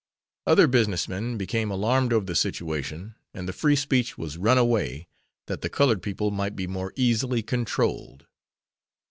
Other business men became alarmed over the situation and the Free Speech was run away that the colored people might be more easily controlled.